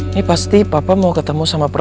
ni pasti papa mau ketemu sama perfume